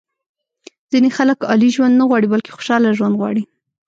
ځینې خلک عالي ژوند نه غواړي بلکې خوشاله ژوند غواړي.